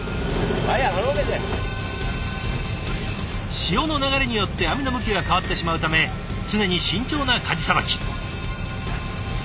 潮の流れによって網の向きが変わってしまうため常に慎重なかじさばき。